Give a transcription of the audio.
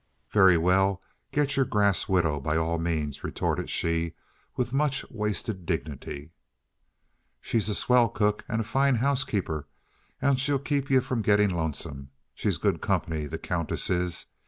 "Very well, get your grass widow by all means," retorted she with much wasted dignity. "She's a swell cook, and a fine housekeeper, and shell keep yuh from getting lonesome. She's good company, the Countess is."